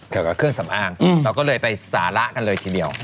เกี่ยวกับเครื่องสำอางเราก็เลยไปสาระกันเลยทีเดียว